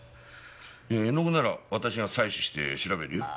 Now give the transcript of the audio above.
いや絵の具なら私が採取して調べるよ。